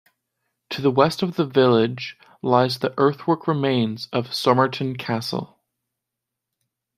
To the west of the village lies the earthwork remains of Somerton Castle.